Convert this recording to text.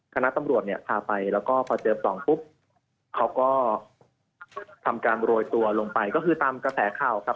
คณะตำรวจเนี่ยพาไปแล้วก็พอเจอปล่องปุ๊บเขาก็ทำการโรยตัวลงไปก็คือตามกระแสข่าวครับ